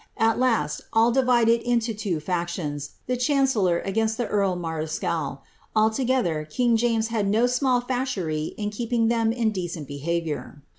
At last, all divided into two factions, the chancellor against the earl marischal ; altogether, king James had no Bmali fasherie in keeping them in decent behaviour."